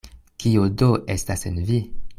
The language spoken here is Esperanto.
Kio do estas en vi?